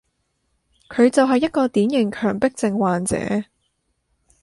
佢就係一個典型強迫症患者